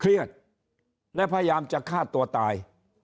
เครียดและพยายามจะฆ่าตัวตาย